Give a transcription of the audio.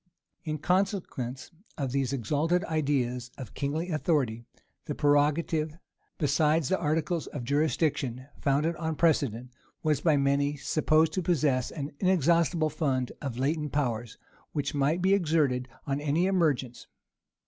In consequence of these exalted ideas of kingly authority, the prerogative, besides the articles of jurisdiction founded on precedent, was by many supposed to possess an inexhaustible fund of latent powers, which might be exerted on any emergence.